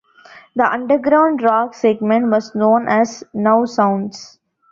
The underground rock segment was known as Now Sounds.